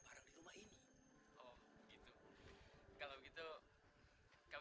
apa itu salah kak